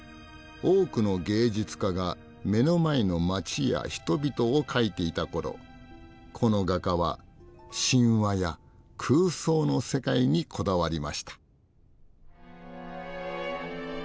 多くの芸術家が目の前の街や人々を描いていたころこの画家は神話や空想の世界にこだわりました。